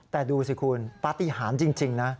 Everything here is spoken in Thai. แต่ดูสิคุณปฏิหารจริงนะ